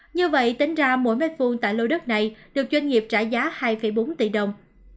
như vậy tính ra mỗi mét vuông tại lô đất này được doanh nghiệp trả giá hai bốn tỷ đồng